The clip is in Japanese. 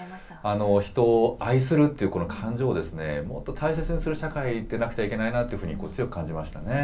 人を愛するっていうこの感情を、もっと大切にする社会でなくてはいけないなと強く感じました